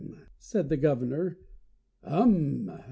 said the Governor. "Um!"